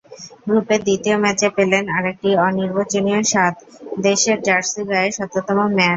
গ্রুপের দ্বিতীয় ম্যাচে পেলেন আরেকটি অনির্বচনীয় স্বাদ, দেশের জার্সি গায়ে শততম ম্যাচ।